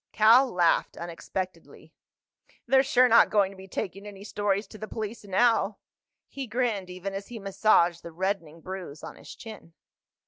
Cal laughed unexpectedly. "They're sure not going to be taking any stories to the police now." He grinned even as he massaged the reddening bruise on his chin.